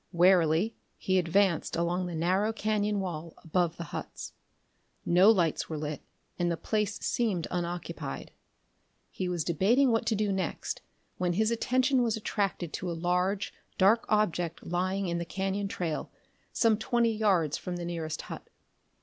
Warily he advanced along the narrow cañon wall above the huts. No lights were lit, and the place seemed unoccupied. He was debating what to do next when his attention was attracted to a large dark object lying in the cañon trail some twenty yards from the nearest hut.